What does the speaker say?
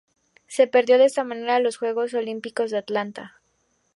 Se perdió de esta manera los Juegos Olímpicos de Atlanta.